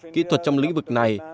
kỹ thuật trong lĩnh vực này